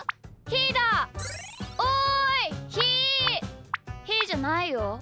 ひーじゃないよ。